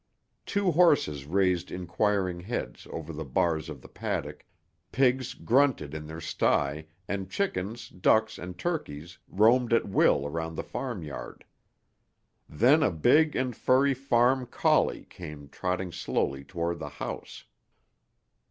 Two horses raised inquiring heads over the bars of the paddock, pigs grunted in their sty and chickens, ducks and turkeys roamed at will around the farmyard. Then a big and furry farm collie came trotting slowly toward the house.